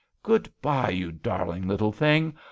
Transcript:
Good bye, you darling little thing.